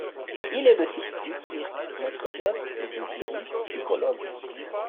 Il est le fils du Thierry, maître d'œuvre, et de Teri, psychologue.